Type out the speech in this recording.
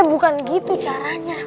eh bukan gitu caranya